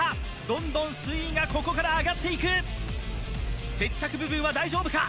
どんどん水位がここから上がっていく接着部分は大丈夫か？